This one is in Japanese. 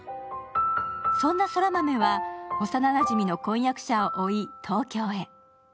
そんな空豆は幼なじみの婚約者を追い、東京へ。